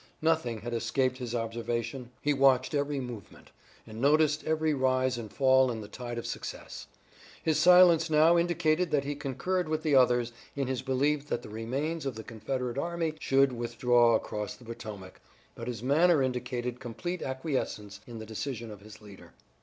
Nothing had escaped his observation; he watched every movement, and noticed every rise and fall in the tide of success. His silence now indicated that he concurred with the others in his belief that the remains of the Confederate army should withdraw across the Potomac, but his manner indicated complete acquiescence in the decision of his leader.